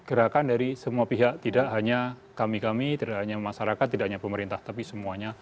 gerakan dari semua pihak tidak hanya kami kami tidak hanya masyarakat tidak hanya pemerintah tapi semuanya